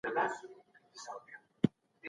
د جنایتکارانو مخه باید په کلکه ونیول سي.